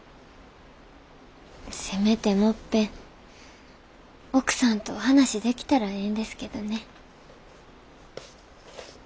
せめてもっぺん奥さんと話できたらええんですけどね。